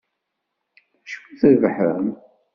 D acu i d-trebḥem?